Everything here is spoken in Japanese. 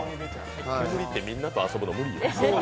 ケムリってみんなと遊ぶの無理。